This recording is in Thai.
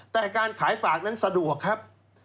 แต่การขายฝากนั้นสะดวกครับ